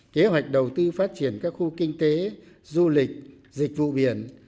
kế hoạch đầu tư phát triển các khu kinh tế du lịch dịch vụ biển